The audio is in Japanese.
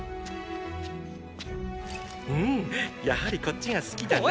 うんやはりこっちが好きだな。